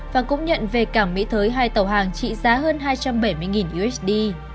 và cũng nhận về cảng mỹ thới hai tàu hàng trị giá hơn hai trăm bảy mươi usd